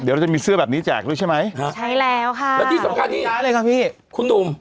เดี๋ยวจะมีเสื้อแบบนี้แจกด้วยใช่ไหมใช้แล้วค่ะแล้วที่สำคัญนี้คุณนุม